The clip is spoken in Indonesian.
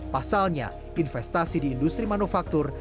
pasalnya investasi di industri manufaktur